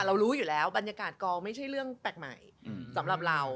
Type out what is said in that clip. รู้อยู่แล้วบรรยากาศกองไม่ใช่เรื่องแปลกใหม่สำหรับเรา